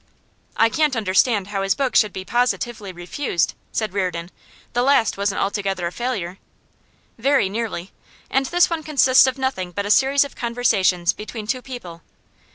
'I can't understand how his book should be positively refused,' said Reardon. 'The last wasn't altogether a failure.' 'Very nearly. And this one consists of nothing but a series of conversations between two people.